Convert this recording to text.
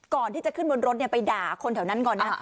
ก่อนที่จะขึ้นบนรถไปด่าคนแถวนั้นก่อนนะ